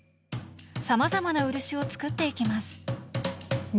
さまざまな漆を作っていきます。